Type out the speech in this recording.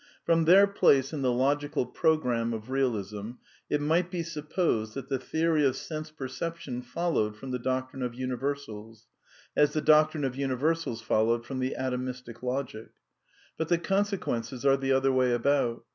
From their place in &e logical programme of Bealism it might be sup posed that the theory of sense perception followed from the doctrine of imiversals, as the doctrine of universals followed from the atomistic logic. Eut the consequences are the other way about.